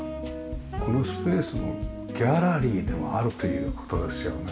このスペースもギャラリーでもあるという事ですよね。